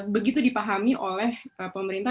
begitu dipahami oleh pemerintah dan pemerintah